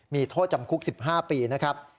มีโทษจำคุก๑๕ปีนะครับ